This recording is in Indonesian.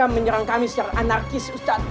menyerang kami secara anarkis ustadz